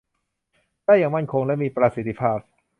ได้อย่างมั่นคงและมีประสิทธิภาพ